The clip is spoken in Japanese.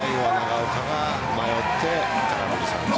最後は長岡が迷って空振り三振。